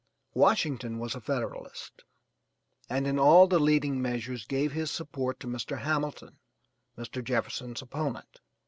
Washington was a Federalist, and in all the leading measures gave his support to Mr. Hamilton, Mr. Jefferson's opponent.